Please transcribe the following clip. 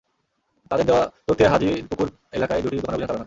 তাঁদের দেওয়া তথ্যে হাজীর পুকুর এলাকায় দুটি দোকানে অভিযান চালানো হয়।